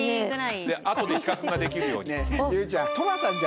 後で比較ができるように。